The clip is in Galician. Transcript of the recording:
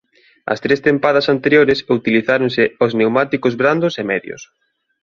As tres tempadas anteriores utilizáronse os pneumáticos brandos e medios.